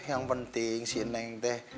yang penting si neng deh